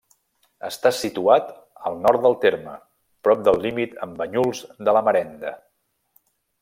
Està situat al nord del terme, prop del límit amb Banyuls de la Marenda.